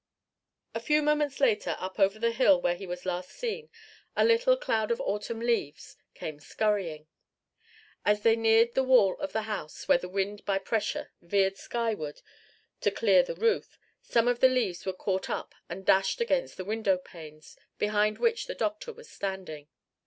A few moments later up over the hill where he was last seen a little cloud of autumn leaves came scurrying. As they neared the wall of the house where the wind by pressure veered skyward to clear the roof, some of the leaves were caught up and dashed against the windowpanes behind which the doctor was standing.